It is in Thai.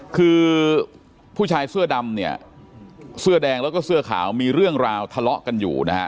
คือผู้ชายเสื้อดำเนี่ยเสื้อแดงแล้วก็เสื้อขาวมีเรื่องราวทะเลาะกันอยู่นะฮะ